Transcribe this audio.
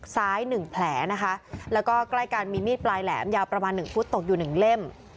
ซ้ายหนึ่งแผลนะคะแล้วก็ใกล้กันมีมีดปลายแหลมยาวประมาณหนึ่งฟุตตกอยู่หนึ่งเล่ม